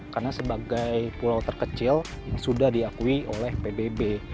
karena sebagai pulau terkecil sudah diakui oleh pbb